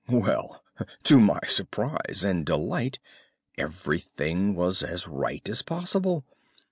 "Well, to my surprise and delight, everything was as right as possible.